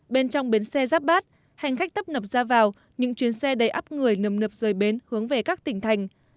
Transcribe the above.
bên trong bến xe giáp bát hành khách tấp nập ra vào những chuyến xe đầy áp người nầm nập rời bến hướng về các tỉnh thành